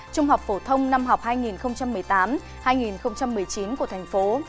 trung học phổ thông năm học hai nghìn một mươi tám hai nghìn một mươi chín của thành phố